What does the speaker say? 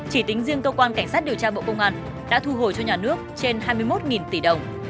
chỉ tính riêng cơ quan cảnh sát điều tra bộ công an đã thu hồi cho nhà nước trên hai mươi một tỷ đồng